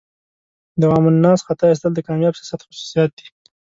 د عوام الناس خطا ایستل د کامیاب سیاست خصوصیات دي.